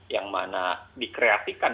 yang mana dikreatikan